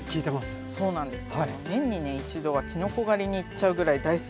はいそうなんです。